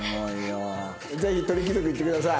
ぜひ鳥貴族行ってください。